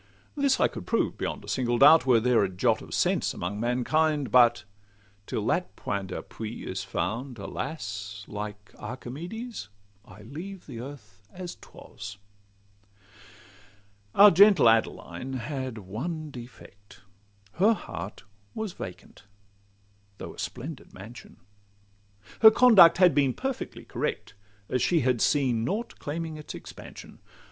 This I could prove beyond a single doubt, Were there a jot of sense among mankind; But till that point d'appui is found, alas! Like Archimedes, I leave earth as 'twas. Our gentle Adeline had one defect— Her heart was vacant, though a splendid mansion; Her conduct had been perfectly correct, As she had seen nought claiming its expansion.